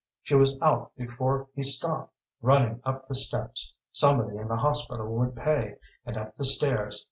She was out before he stopped, running up the steps somebody in the hospital would pay and up the stairs.